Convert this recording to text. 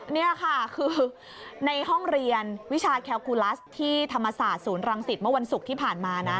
นี่ค่ะคือในห้องเรียนวิชาแคลกูลัสที่ธรรมศาสตร์ศูนย์รังสิตเมื่อวันศุกร์ที่ผ่านมานะ